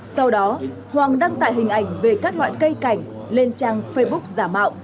sau đó hoàng đăng tải hình ảnh về các loại cây cảnh lên trang facebook giả mạo